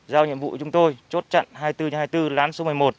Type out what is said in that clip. giao nhiệm vụ chúng tôi chốt trận hai mươi bốn hai mươi bốn lán số một mươi một